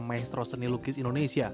maestro seni lukis indonesia